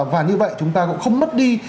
và như vậy chúng ta cũng không mất đi